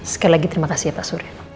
sekali lagi terima kasih ya pak surya